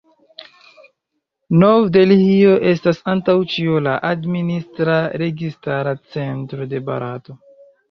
Nov-Delhio estas antaŭ ĉio la administra, registara centro de Barato.